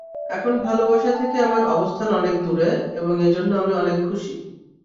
এখন ভালোবাসা থেকে আমার অবস্থান অনেক দূরে এবং এজন্য আমি অনেক খুশি।